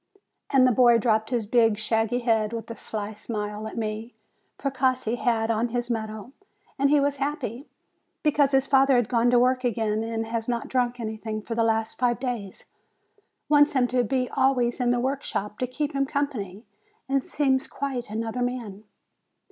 And the boy dropped his big, shaggy head, with a sly smile at me. Precossi had on his medal, and he was happy, because his father had gone to work again, and has not drunk anything for the last five days, wants him to be always in the work shop to keep him com pany, and seems quite another man.